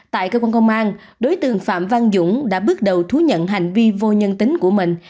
tại cơ quan công an đối tượng phạm văn dũng đã bước đầu thú nhận hành vi vô nhân tính của mình